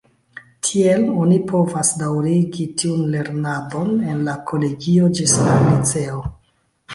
Tiel, oni povas daŭrigi tiun lernadon en la kolegio ĝis la liceo.